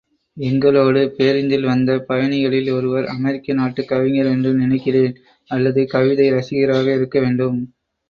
எங்களோடு பேருந்தில் வந்த பயணிகளில் ஒருவர் அமெரிக்க நாட்டுக் கவிஞர் என்று நினைக்கிறேன் அல்லது கவிதை ரசிகராக இருக்கவேண்டும்.